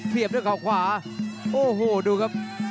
เสริมหักทิ้งลงไปครับรอบเย็นมากครับ